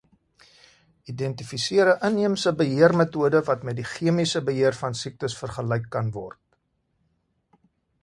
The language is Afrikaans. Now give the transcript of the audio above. Identifiseer 'n inheemse beheermetode wat met die chemiese beheer van siektes vergelyk kan word.